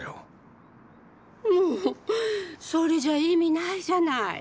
もうそれじゃ意味ないじゃない！